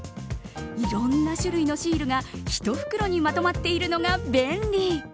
いろんな種類のシールが一袋にまとまっているのが便利。